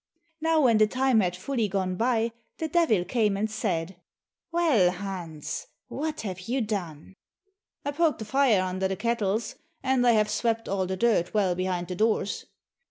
Now when the time had fully gone by, the Devil came and said, "Well Hans, what have you done?" "I poked the fire under the kettles, and I have swept all the dirt well behind the doors."